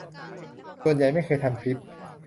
ส่วนใหญ่ไม่เคยทำคลิป